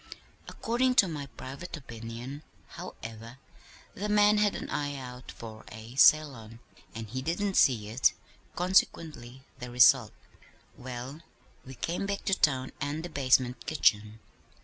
According to my private opinion, however, the man had an eye out for a saloon, and he didn't see it; consequently the result! "Well, we came back to town and the basement kitchen.